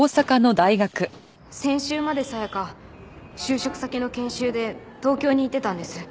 先週まで紗香就職先の研修で東京に行ってたんです。